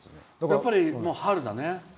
やっぱり春だね。